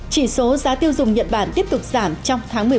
chỉ số giá tiêu dùng nhật bản tiếp tục giảm trong tháng một mươi một